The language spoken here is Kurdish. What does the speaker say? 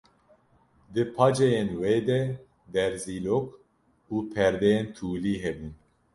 Di paceyên wê de derzîlok û perdeyên tûlî hebûn.